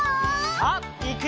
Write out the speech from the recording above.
さあいくよ！